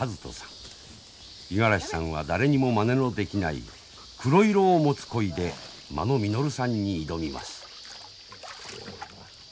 五十嵐さんは誰にもまねのできない黒色を持つ鯉で間野実さんに挑みます。